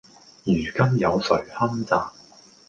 如今有誰堪摘﹖